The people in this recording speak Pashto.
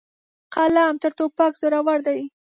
قلم تر توپک زورور دی.